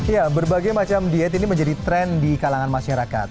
ya berbagai macam diet ini menjadi tren di kalangan masyarakat